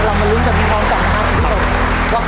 มาลุ้นกันพร้อมกันนะครับคุณผู้ชม